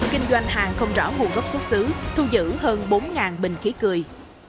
kinh doanh hàng không rõ nguồn gốc xuất xứ thu giữ hơn bốn bình khí cười